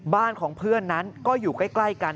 บ้านของเพื่อนนั้นก็อยู่ใกล้กัน